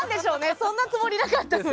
そんなつもりなかったのに。